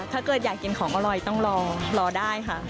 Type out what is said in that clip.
ถ้าเกิดอยากกินของอร่อยต้องรอรอได้ค่ะ